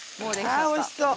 あおいしそう。